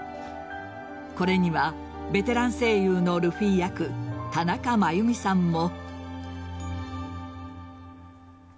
これにはベテラン声優のルフィ役・田中真弓さんも。